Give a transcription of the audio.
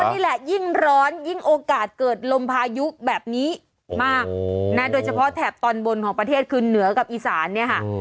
นี่แหละยิ่งร้อนยิ่งโอกาสเกิดลมพายุแบบนี้มากนะโดยเฉพาะแถบตอนบนของประเทศคือเหนือกับอีสานเนี่ยค่ะ